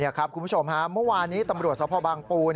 นี่ครับคุณผู้ชมฮะเมื่อวานนี้ตำรวจสภพบางปู